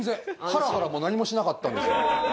ハラハラも何もしなかったんですよ。